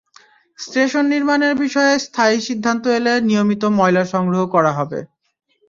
Station নির্মাণের বিষয়ে স্থায়ী সিদ্ধান্ত এলে নিয়মিত ময়লা সংগ্রহ করা হবে।